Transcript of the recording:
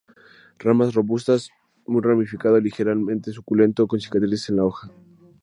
Ramas robustas, muy ramificado, ligeramente suculento, con cicatrices de la hoja.